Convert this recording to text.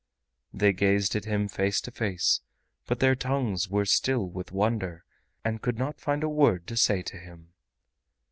They gazed at him face to face, but their tongues were still with wonder and could not find a word to say to him.